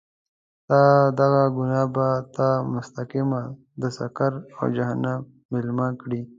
ستا دغه ګناه به تا مستقیماً د سقر او جهنم میلمه کړي.